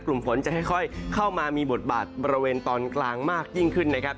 กลุ่มฝนจะค่อยเข้ามามีบทบาทบริเวณตอนกลางมากยิ่งขึ้นนะครับ